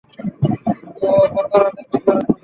তো, গত রাতে কী করেছিলে?